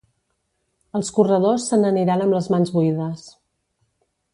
Els corredors se n'aniran amb les mans buides.